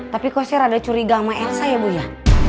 tapi kok saya rada curiga sama elsa ya bu ya